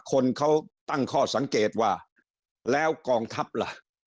คนเขาตั้งข้อสังเกตว่าแล้วกองทัพล่ะ